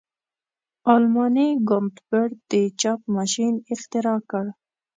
آلماني ګونتبر د چاپ ماشین اختراع کړ.